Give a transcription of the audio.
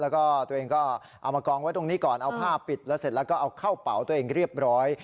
แล้วก็ตัวเองก็เอามากองไว้ตรงนี้ก่อนเอาผ้าปิดแล้วเสร็จแล้วก็เอาเข้าเป๋าตัวเองเรียบร้อย